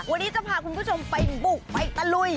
วันนี้จะพาคุณผู้ชมไปบุกไปตะลุย